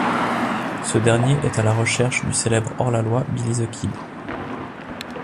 Ce dernier est à la recherche du célèbre hors-la-loi Billy the Kid.